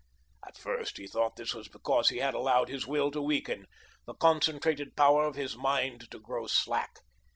At first, he thought this was because he had allowed his will to weaken, the concentrated power of his mind to grow slack.